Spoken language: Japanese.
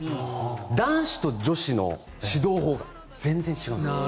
男子と女子の指導法が全然違うんです。